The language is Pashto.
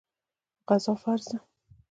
غزا فرض ده.